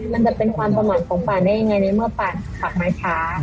มันจะเป็นความประหมากของปั่นได้ยังไงเนี้ยเมื่อปั่นขับมาช้า